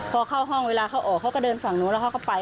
พอเข้าห้องเวลาเขาออกเขาก็เดินฝั่งนู้นแล้วเขาก็ไป